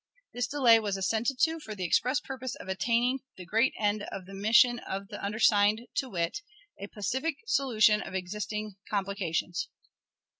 This delay was assented to for the express purpose of attaining the great end of the mission of the undersigned, to wit, a pacific solution of existing complications.